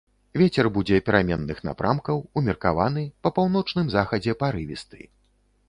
Вецер будзе пераменных напрамкаў, умеркаваны, па паўночным захадзе парывісты.